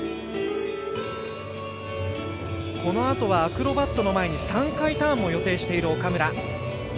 このあとはアクロバットの前に３回ターンも予定している岡村。